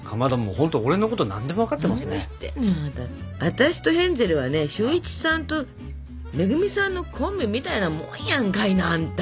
私とヘンゼルはね俊一さんと恵さんのコンビみたいなもんやんかいなあんた。